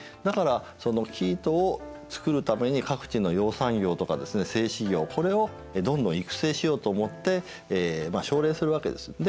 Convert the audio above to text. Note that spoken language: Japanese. だからその生糸をつくるために各地の養蚕業とかですね製糸業これをどんどん育成しようと思ってまあ奨励するわけです。